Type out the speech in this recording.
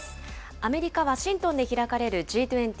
アメリカ・ワシントンで開かれるＧ２０・